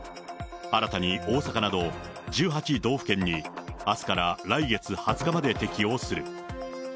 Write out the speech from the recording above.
新たに大阪など、１８道府県に、あすから来月２０日まで適用する。